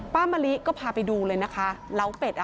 ป้ามลิก็พาไปดูเลยนะคะเล้าไป็ดค่ะ